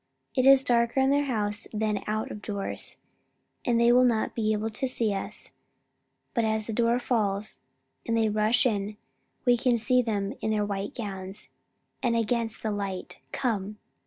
It is darker in the house than out of doors, and they will not be able to see us, but as the door falls and they rush in we can see them in their white gowns, and against the light. Come!"